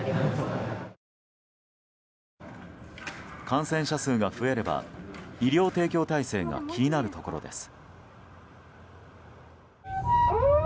感染者数が増えれば医療提供体制が気になるところです。